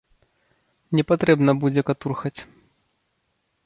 Не патрэбна будзе катурхаць.